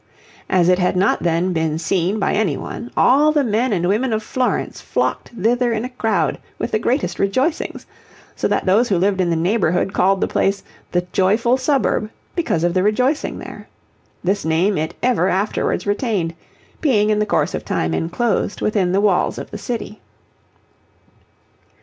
As it had not then been seen by any one, all the men and women of Florence flocked thither in a crowd with the greatest rejoicings, so that those who lived in the neighbourhood called the place the 'Joyful Suburb' because of the rejoicing there. This name it ever afterwards retained, being in the course of time enclosed within the walls of the city.